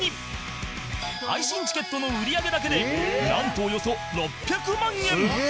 配信チケットの売り上げだけでなんとおよそ６００万円！